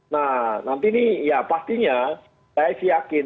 nah nanti ini ya pastinya saya sih yakin